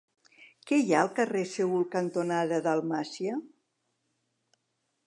Què hi ha al carrer Seül cantonada Dalmàcia?